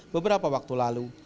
beberapa waktu lalu